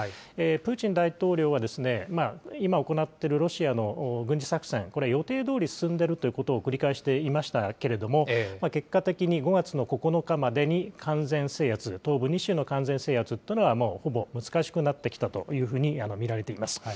プーチン大統領は今行っているロシアの軍事作戦、これ、予定どおり進んでいるということを繰り返していましたけれども、結果的に５月の９日までに完全制圧、東部２州の完全制圧というのはもうほぼ難しくなってきたというふうに見られています。